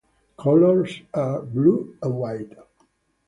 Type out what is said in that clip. Colors are blue and white.